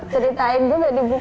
ceritain juga di buku